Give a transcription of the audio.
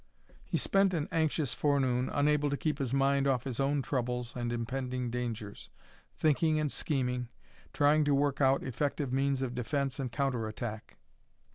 He spent an anxious forenoon, unable to keep his mind off his own troubles and impending dangers, thinking and scheming, trying to work out effective means of defence and counter attack.